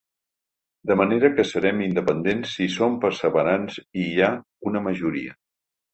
De manera que serem independents si som perseverants i hi ha una majoria.